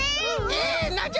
えなんじゃ？